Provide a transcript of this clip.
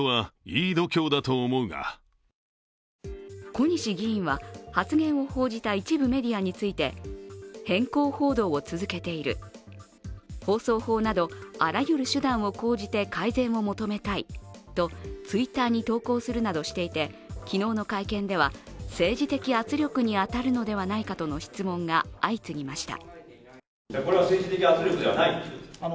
小西議員は、発言を報じた一部メディアについて偏向報道を続けている、放送法などあらゆる手段を講じて改善を求めたいとＴｗｉｔｔｅｒに投稿するなどしていて昨日の会見では、政治的圧力に当たるのではないかとの質問が相次ぎました。